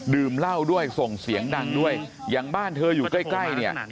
ดื่มเหล้าด้วยส่งเสียงดังด้วยอย่างบ้านเธออยู่ใกล้ใกล้เนี่ย